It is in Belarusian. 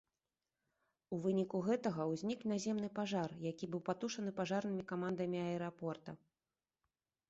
У выніку гэтага ўзнік наземны пажар, які быў патушаны пажарнымі камандамі аэрапорта.